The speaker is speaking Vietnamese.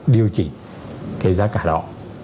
điều chỉnh cái giá cả đó